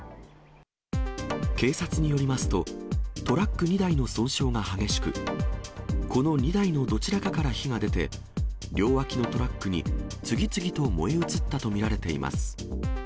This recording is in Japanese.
警察によりますと、トラック２台の損傷が激しく、この２台のどちらかから火が出て、両脇のトラックに次々と燃え移ったと見られています。